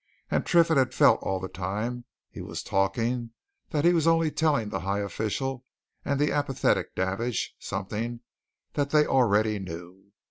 And Triffitt had felt all the time he was talking that he was only telling the high official and the apathetic Davidge something that they already knew.